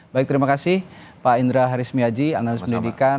baik terima kasih pak indra harismiaji analis pendidikan